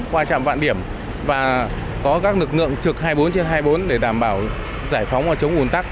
qua trạm vạn điểm và có các lực lượng trực hai mươi bốn trên hai mươi bốn để đảm bảo giải phóng và chống ủn tắc